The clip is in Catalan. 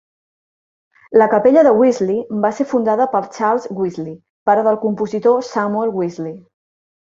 La capella de Wesley va ser fundada per Charles Wesley, pare del compositor Samuel Wesley.